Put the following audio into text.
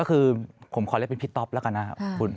ก็คือผมขอเรียกเป็นพี่ต๊อปแล้วกันนะครับ